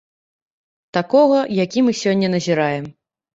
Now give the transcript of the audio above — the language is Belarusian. Такога, які мы сёння назіраем.